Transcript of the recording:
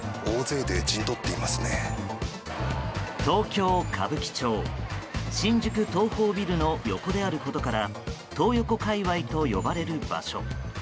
東京・歌舞伎町新宿東宝ビルの横であることからトー横界隈と呼ばれる場所。